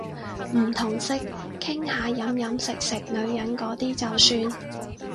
唔同色，傾下飲飲食食女人嗰啲就算